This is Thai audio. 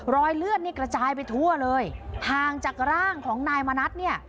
รอยเลือดนี่กระจายไปทั่วเลยห่างจากร่างของนายมณัฐเนี่ย